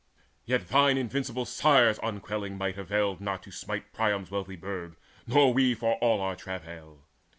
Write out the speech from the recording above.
Yet thine invincible sire's unquailing might Availed not to smite Priam's wealthy burg, Nor we, for all our travail.